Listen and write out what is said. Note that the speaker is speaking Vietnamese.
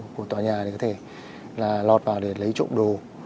của tòa nhà để có thể là lọt vào để lấy trộm đồ